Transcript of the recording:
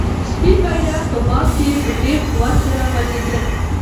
سپین بیرغ په باد کې په ډېر قوت سره غوځېده.